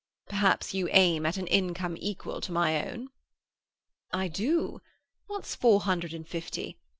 Perhaps you aim at an income equal to my own?" "I do! What's four hundred and fifty?